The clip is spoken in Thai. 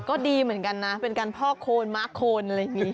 ก็ดีเหมือนกันนะเป็นการพอกโคนม้าโคนอะไรอย่างนี้